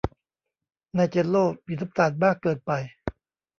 ในเจลโล่มีน้ำตาลมากเกินไป